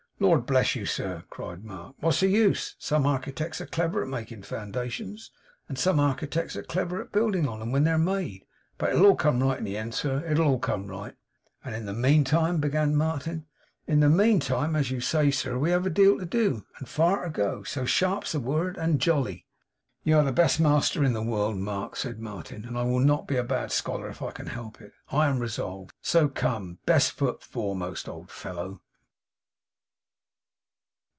'Lord bless you, sir!' cried Mark, 'what's the use? Some architects are clever at making foundations, and some architects are clever at building on 'em when they're made. But it'll all come right in the end, sir; it'll all come right!' 'And in the meantime ' began Martin. 'In the meantime, as you say, sir, we have a deal to do, and far to go. So sharp's the word, and Jolly!' 'You are the best master in the world, Mark,' said Martin, 'and I will not be a bad scholar if I can help it, I am resolved! So come! Best foot foremost, old fellow!